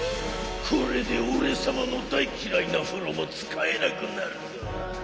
これでオレさまの大きらいなふろもつかえなくなるぞ。